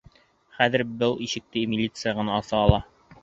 Хәҙер был ишекте милиция ғына аса ала.